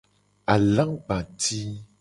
Alagba ti.